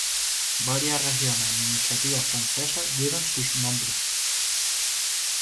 Varias regiones administrativas francesas llevan sus nombres.